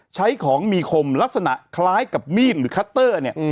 ใช้ของมีคมลักษณะคล้ายกับมีดหรือคัตเตอร์เนี่ย